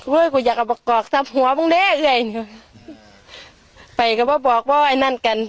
เว้ยกูอยากเอาประกอบทรัพย์หัวบางเด็กเลยไปก็บอกว่าไอ้นั่นกัน